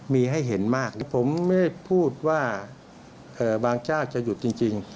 มีให้เห็นมากผมไม่ได้พูดว่าบางเจ้าจะหยุดจริง